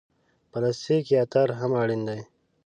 پلاستیک یا تار هم اړین دي.